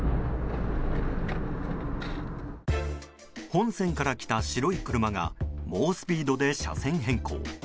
本線から来た白い車が猛スピードで車線変更。